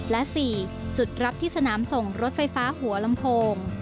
และ๔จุดรับที่สนามส่งรถไฟฟ้าหัวลำโพง